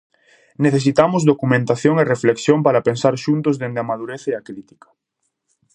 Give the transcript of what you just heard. Necesitamos documentación e reflexión para pensar xuntos dende a madurez e a crítica.